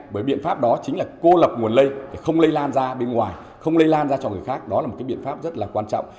bởi biện pháp đó chính là cô lập nguồn lây không lây lan ra bên ngoài không lây lan ra cho người khác đó là một cái biện pháp rất là quan trọng